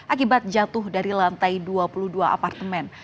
akibat jatuh dari lantai dua puluh dua apartemen